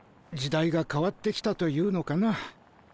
時代が変わってきたというのかな。